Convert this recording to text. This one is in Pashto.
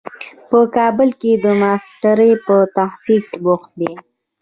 په کابل کې د ماسټرۍ په تحصیل بوخت دی.